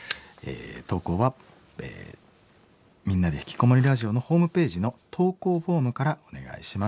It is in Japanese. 投稿は「みんなでひきこもりラジオ」のホームページの投稿フォームからお願いします。